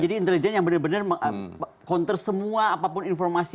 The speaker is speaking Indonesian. jadi intelligence yang benar benar counter semua apapun informasi